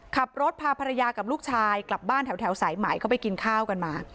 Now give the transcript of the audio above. ขับรถพาภรรยากับลูกชายกลับบ้านแถวสายใหม่เข้าไปกินข้าวกันมา